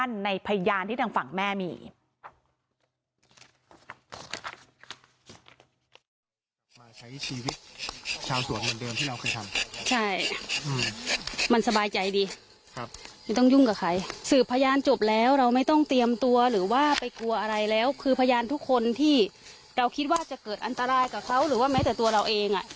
ในพยานที่ทางฝั่งแม่มีพยานจบแล้วเราไม่ต้องเตรียมตัวหรือว่าไปกลัวอะไรแล้วคือพยานทุกคนที่เราคิดว่าจะเกิดอันตรายกับเขาหรือว่าแม้แต่ตัวเราเอง